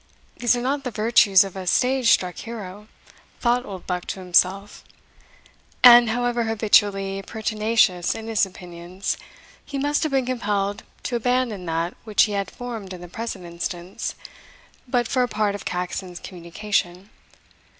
"These are not the virtues of a stage struck hero," thought Oldbuck to himself; and, however habitually pertinacious in his opinions, he must have been compelled to abandon that which he had formed in the present instance, but for a part of Caxon's communication.